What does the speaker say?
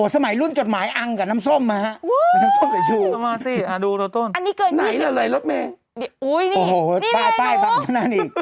สมัยรุ่นจดหมายอังกะนำส้มไหมคะ